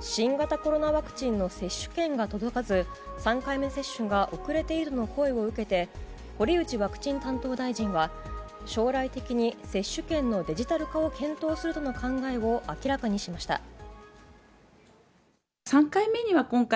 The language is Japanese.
新型コロナワクチンの接種券が届かず３回目接種が遅れているとの声を受けて堀内ワクチン担当大臣は将来的に接種券のデジタル化を検討するとの考えを明らかにしました。